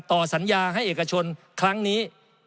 ต่อสัญญาให้เอกชนครั้งนี้